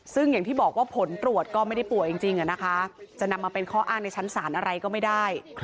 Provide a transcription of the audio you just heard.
ซึ่งอย่างที่บอกว่าผลตรวจก็ไม่ได้ป่วยจริงนะคะจะนำมาเป็นข้ออ้างในชั้นศาลอะไรก็ไม่ได้